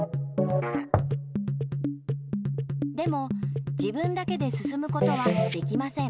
でも自分だけですすむことはできません。